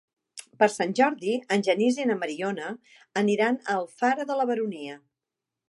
Per Sant Jordi en Genís i na Mariona aniran a Alfara de la Baronia.